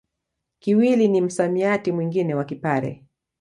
Kiwili ni msamiati mwingine wa Kipare